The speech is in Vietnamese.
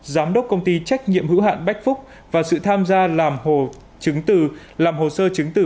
giám đốc công ty trách nhiệm hữu hạn bách phúc và sự tham gia làm hồ sơ trứng tử